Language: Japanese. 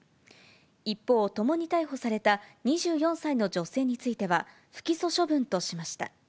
一方、ともに逮捕された２４歳の女性については、不起訴処分としました。